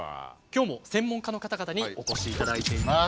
今日も専門家の方々にお越しいただいています。